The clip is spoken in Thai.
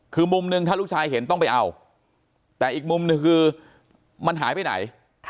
คือมุมหนึ่งถ้าลูกชายเห็นต้องไปเอาแต่อีกมุมหนึ่งคือมันหายไปไหน